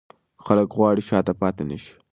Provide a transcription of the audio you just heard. خلک غواړي شاته پاتې نه شي.